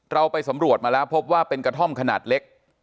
เราไปสำรวจมาแล้วพบว่าเป็นกระท่อมขนาดเล็ก